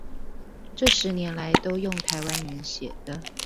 這十年來都用台灣人寫的